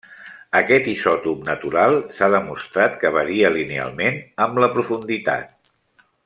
Aquest isòtop natural s’ha demostrat que varia linealment amb la profunditat.